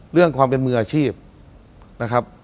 เรื่องความเป็นมืออาชีพนะครับ